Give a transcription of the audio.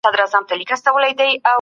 اقتصادي وده د هر وګړي غوښتنه ده.